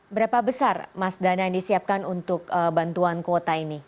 berapa besar mas dana yang disiapkan untuk bantuan kuota ini